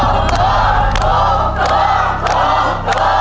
ถูกถูกถูกถูกถูก